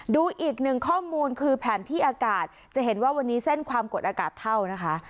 ดูอีกหนึ่งข้อมูลคือแผนที่อากาศจะเห็นว่าวันนี้เส้นความกดอากาศเท่านะคะ